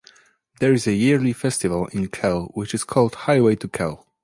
There is a yearly festival in Kell which is called Highway To Kell.